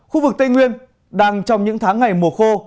khu vực tây nguyên đang trong những tháng ngày mùa khô